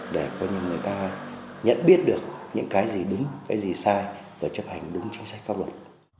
để coi như người ta nhận biết được những cái gì đúng cái gì sai và chấp hành đúng chính sách pháp luật